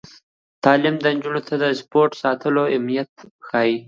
تعلیم نجونو ته د پاسورډ ساتلو اهمیت ښيي.